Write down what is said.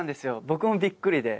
僕もびっくりで。